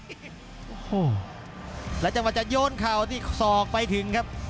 โอ้โหแล้วจังหวะจะโยนเข่าที่ศอกไปถึงครับ